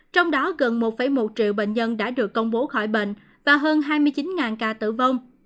trong đó gần một một triệu bệnh nhân đã được công bố khỏi bệnh và hơn hai mươi chín ca tử vong